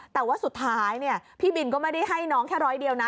แต่ว่าสุดท้ายพี่บินก็ไม่ได้ให้น้องแค่ร้อยเดียวนะ